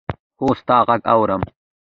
هو! ستا ږغ اورم.